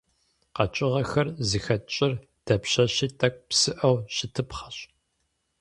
Къэкӏыгъэхэр зыхэт щӏыр дапщэщи тӏэкӏу псыӏэу щытыпхъэщ.